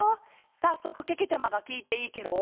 さっそくけけちゃまがきいていいケロ？